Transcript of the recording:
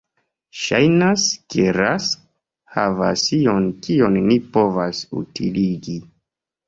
Ŝajnas ke Rask havas ion kion ni povas utiligi.